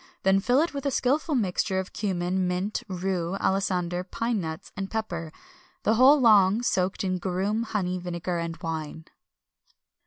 Then fill it with a skilful mixture of cummin, mint, rue, alisander, pine nuts, and pepper, the whole long soaked in garum, honey, vinegar, and wine.